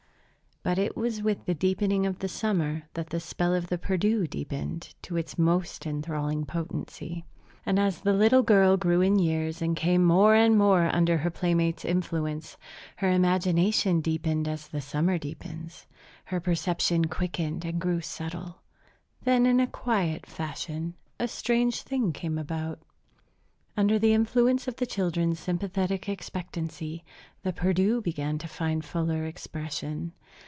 But it was with the deepening of the summer that the spell of the Perdu deepened to its most enthralling potency. And as the little girl grew in years and came more and more under her playmate's influence, her imagination deepened as the summer deepens, her perception quickened and grew subtle. Then in a quiet fashion, a strange thing came about. Under the influence of the children's sympathetic expectancy, the Perdu began to find fuller expression.